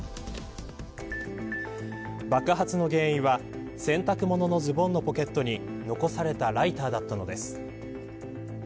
爆発の原因は洗濯物のズボンのポケットに残されたライターだったのです。